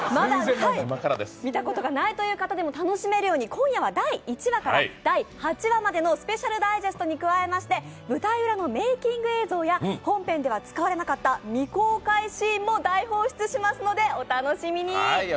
見たことがないという方でも楽しめるように今夜は第１話から第８話までのスペシャルダイジェストに加えまして、舞台裏のメーキング映像や本編では使われなかった未公開シーンも大放出しますのでお楽しみに。